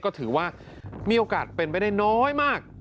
ก็ถือว่ามีโอกาสเป็นไปได้น้อยมาก